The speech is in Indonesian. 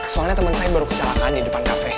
soalnya temen saya baru kecelakaan di depan cafe